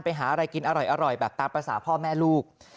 ไปหาอะไรกินอร่อยแบบตามภาษาพ่อแม่ลูก